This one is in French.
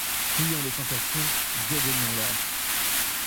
Fuyons les tentations, dédaignons l’or.